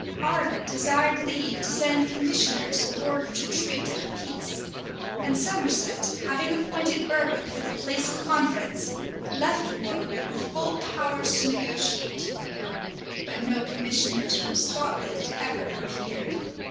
Arran desired leave to send commissioners in order to treat of a peace; and Somerset, having appointed Berwick for the place of conference, left Warwick with full powers to negotiate: but no commissioners from Scotland ever appeared.